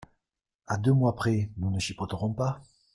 À deux mois près, nous ne chipoterons pas.